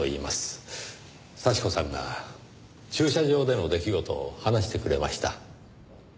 幸子さんが駐車場での出来事を話してくれました。